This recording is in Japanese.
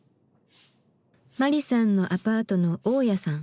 マリさんのアパートの大家さん。